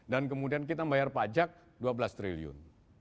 dan kemudian kita membayar pajak dua belas triliun